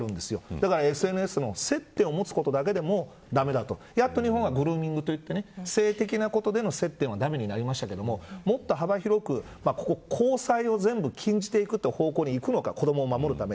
だからＳＮＳの接点を持つことだけでも駄目だとやっと日本はグルーミングといって性的なことでの接点は駄目になりましたがもっと幅広く、交際を全部禁じていくという方向にいくのか子どもを守るため。